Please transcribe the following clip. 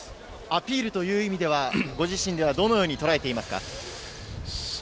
アピールという意味ではご自身ではどうとらえていますか？